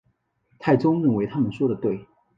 太宗认为他们说得对。